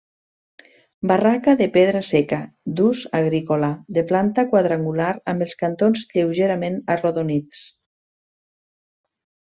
Barraca de pedra seca, d'ús agrícola, de planta quadrangular amb els cantons lleugerament arrodonits.